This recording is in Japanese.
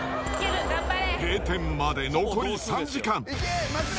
閉店まで残り３時間。